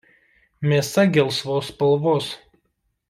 Mėsa gelsvos spalvos.